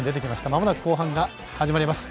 まもなく後半が始まります。